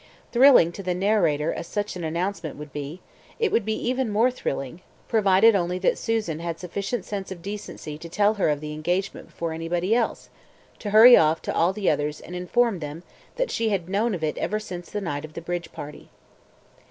Thrilling to the narrator as such an announcement would be, it would be even more thrilling, provided only that Susan had sufficient sense of decency to tell her of the engagement before anybody else, to hurry off to all the others and inform them that she had known of it ever since the night of the bridge party.